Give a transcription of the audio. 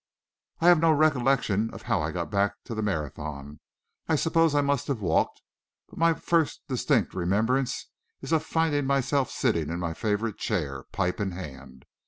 I have no recollection of how I got back to the Marathon. I suppose I must have walked; but my first distinct remembrance is of finding myself sitting in my favourite chair, pipe in hand.